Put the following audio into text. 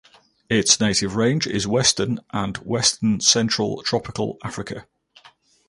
Its native range is western and western central Tropical Africa.